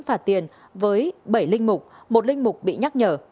phạt tiền với bảy linh mục một linh mục bị nhắc nhở